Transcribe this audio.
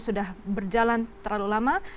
sudah berjalan terlalu lama